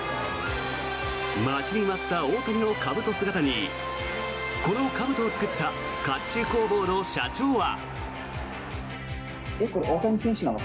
待ちに待った大谷のかぶと姿にこのかぶとを作った甲冑工房の社長は。